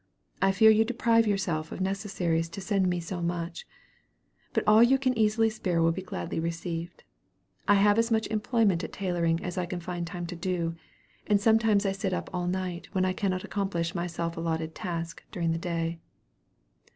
I fear you deprive yourself of necessaries to send me so much. But all you can easily spare will be gladly received. I have as much employment at tailoring as I can find time to do, and sometimes I sit up all night, when I cannot accomplish my self allotted task during the day.